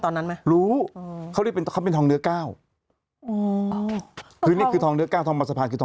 ก็ยังไม่ได้ผ่านแต่ถ้าจะเอาไปทำอะไร